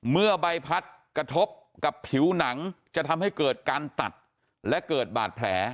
เมื่อใบพัดกระทบกับผิวหนังจะทำให้เกิดการตัดและเกิดบาดแผล